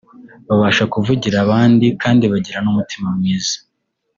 babasha kuvugira ababandi kandi bagira n’umutima mwiza